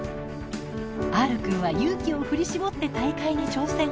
Ｒくんは勇気を振り絞って大会に挑戦。